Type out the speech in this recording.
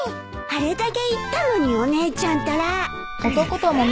あれだけ言ったのにお姉ちゃんたら駄目！